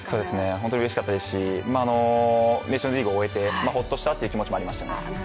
本当にうれしかったですし、ネーションズリーグを終えて、ホッとしたという気持ちもありましたね。